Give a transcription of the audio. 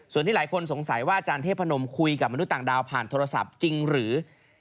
ส่วนที่หลายคนสงสัยว่าอาจารย์เทพนมคุยกับมนุษย์ต่างดาวผ่านโทรศัพท์จริงหรือ